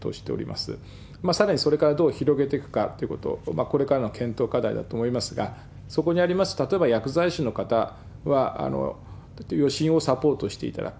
さらにそれからどう広げていくかということ、これからの検討課題だと思いますが、そこにあります、例えば薬剤師の方は、予診をサポートしていただく。